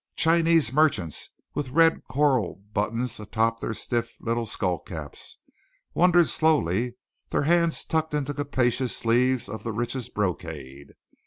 Chinese merchants, with red coral buttons atop their stiff little skullcaps, wandered slowly, their hands tucked in capacious sleeves of the richest brocade.